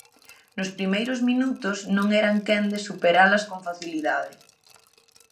Nos primeiros minutos non eran quen de superalas con facilidade.